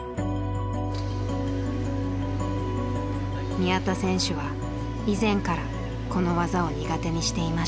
宮田選手は以前からこの技を苦手にしていました。